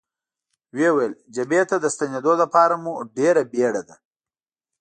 ویې ویل: جبهې ته د ستنېدو لپاره مو ډېره بېړه ده.